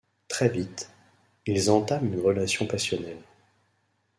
Très vite, ils entament une relation passionnelle.